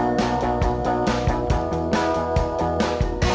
เพื่อ